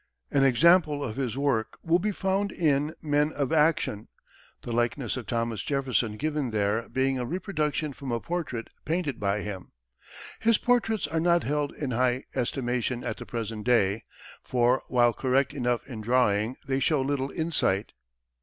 An example of his work will be found in "Men of Action," the likeness of Thomas Jefferson given there being a reproduction from a portrait painted by him. His portraits are not held in high estimation at the present day, for, while correct enough in drawing, they show little insight.